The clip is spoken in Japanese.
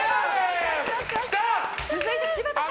続いて、柴田さん。